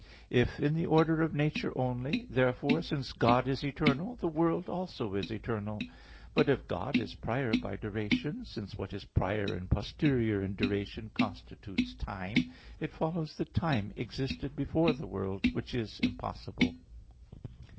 If in the order of nature only, therefore, since God is eternal, the world also is eternal. But if God is prior by duration; since what is prior and posterior in duration constitutes time, it follows that time existed before the world, which is impossible.